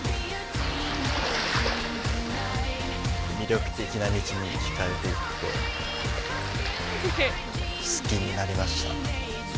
魅力的なミチに引かれていって好きになりました。